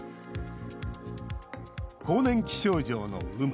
更年期症状の有無